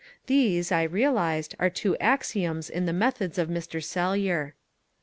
These, I realised, were two axioms in the methods of Mr. Sellyer.